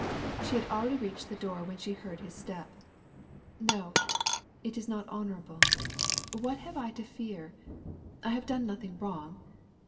She had reached the door, when she heard his step. "No! it's not honest. What have I to be afraid of? I have done nothing wrong.